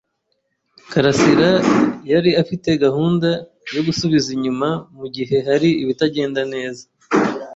Karasirayari afite gahunda yo gusubiza inyuma mugihe hari ibitagenda neza